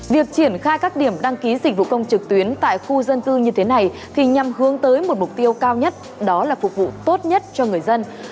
việc triển khai các điểm đăng ký dịch vụ công trực tuyến tại khu dân cư như thế này thì nhằm hướng tới một mục tiêu cao nhất đó là phục vụ tốt nhất cho người dân